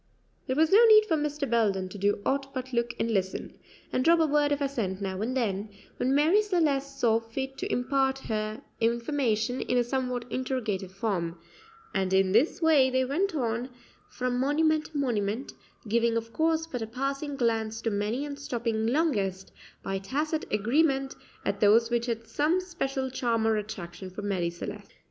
There was no need for Mr. Belden to do aught but look and listen, and drop a word of assent now and then, when Marie Celeste saw fit to impart her information in a somewhat interrogative form; and in this way they went on from monument to monument, giving of course but a passing glance to many and stopping longest, by tacit agreement, at those which had some special charm or attraction for Marie Celeste.